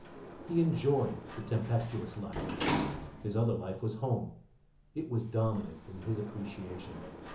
He enjoyed the tempestuous life. His other life was home. It was dominant in his appreciation.